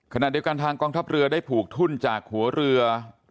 ขณะเดียวกันทางกองทัพเรือได้ผูกทุ่นจากหัวเรือ